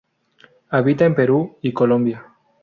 Habita en Perú y Colombia.